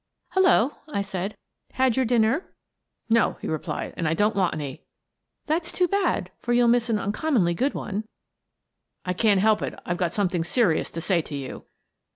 " Hello !" I said. " Had your dinner ?" I Resign H7 " No," he replied, " and I don't want any." " That's too bad, for you'll miss an uncommonly good one." "I can't help it, I've got something serious to say to you."